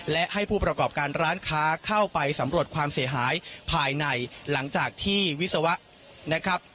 และให้ผู้ประกอบการร้านค้าเข้าไปสำรวจความเสียหายภายในหลังจากที่วิศวะนะครับ